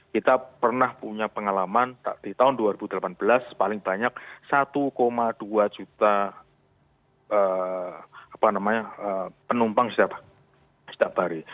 kita pernah punya pengalaman di tahun dua ribu delapan belas paling banyak satu dua juta penumpang setiap hari